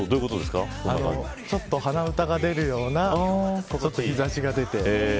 ちょっと鼻歌が出るような日差しが出て。